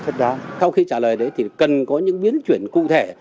sau khi trả lời đấy thì cần có những biến chuyển cụ thể